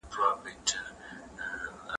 موږ ولي په خپلو اصلي غوښتنو کي تېروتنه کوو؟